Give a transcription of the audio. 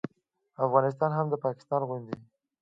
افغانستان هم د پاکستان غوندې